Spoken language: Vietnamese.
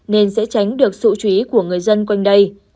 nên sẽ tránh được sự chú ý của người dân quanh đây